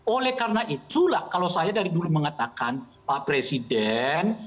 oleh karena itulah kalau saya dari dulu mengatakan pak presiden